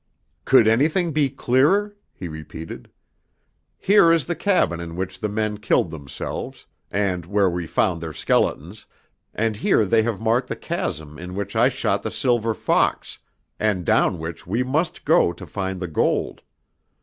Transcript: "Could anything be clearer?" he repeated. "Here is the cabin in which the men killed themselves, and where we found their skeletons, and here they have marked the chasm in which I shot the silver fox, and down which we must go to find the gold.